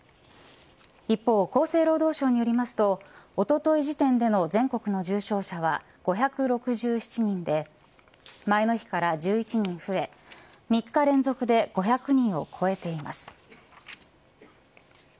一方、厚生労働省によりますとおととい時点での全国の重症者は５６７人で前の日から１１人増え３日連続で５００人を超えています。